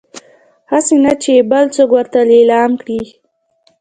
هسي نه چې يې بل څوک ورته ليلام کړي